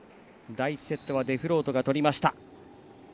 第１セットはデフロートが取りました。